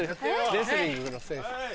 レスリングの選手。